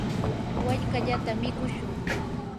wallkallata mikushun.